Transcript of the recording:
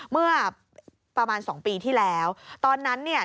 เมื่อประมาณสองปีที่แล้วตอนนั้นเนี่ย